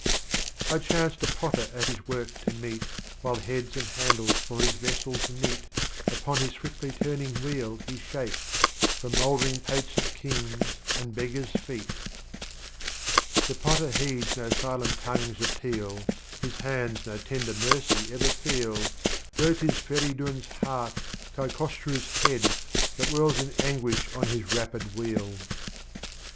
I chanced a Potter at his Work to meet. While Heads and Handles for his Vessels neat, Upon his swiftly turning wheel he shaped; — From Mouldering Pates of Kings and Beggar's Feet. 48 Strophes of Omar Khayyam. IV. The Potter heeds no silent Tongue's appeal, His Hands no Tender Mercy ever feel, Though 'lis Ferichm's ' Heart,— KaiKosru's Head, That whirls iu Anguish on his rapid Wheel.